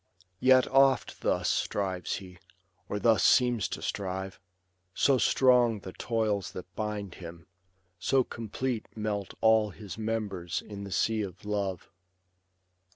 Yet oft thus strives he, or thus seems to strive ; So strong the toils that bind him ; so complete Melt all his members in the sea of love.